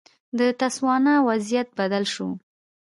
د تسوانا وضعیت بدل شو.